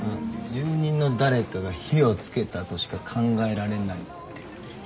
住人の誰かが火を付けたとしか考えられないって。